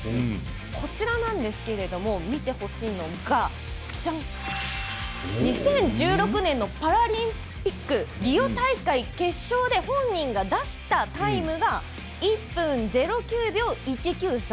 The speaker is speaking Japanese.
こちらなんですけれども見てほしいのが２０１６年のパラリンピックリオ大会決勝で本人が出したタイムが１分０９秒１９３。